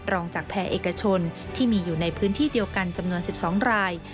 รองจากแพร่เอกชนที่มีอยู่ในพื้นที่เดียวกันจำนวน๑๒ราย